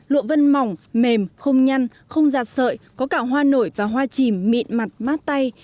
lụa vân mỏng mềm không nhăn không giạt sợi có cả hoa nổi và hoa chìm mịn mặt mát tay